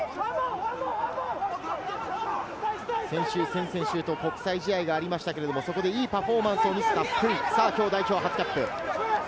先週、先々週と国際試合がありましたけれど、そこでいいパフォーマンスを見せた福井、きょう代表初キャップ。